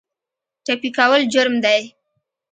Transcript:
ټپي کول جرم دی.